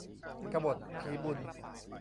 กบฏผีบุญ